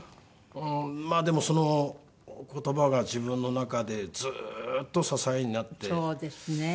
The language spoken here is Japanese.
まあでもその言葉が自分の中でずーっと支えになって。